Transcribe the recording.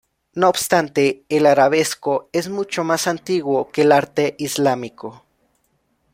No obstante, el arabesco es mucho más antiguo que el arte islámico.